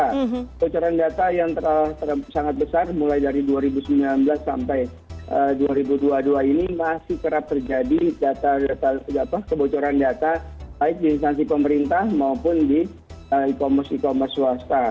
kebocoran data yang sangat besar mulai dari dua ribu sembilan belas sampai dua ribu dua puluh dua ini masih kerap terjadi kebocoran data baik di instansi pemerintah maupun di e commerce e commerce swasta